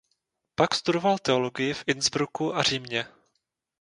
Pak studoval teologii v Innsbrucku a Římě.